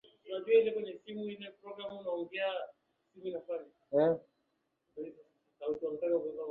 hali hii inakuja mara baada ya wananchi kuwa katika